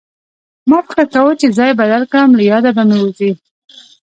ما فکر کوه چې ځای بدل کړم له ياده به مې ووځي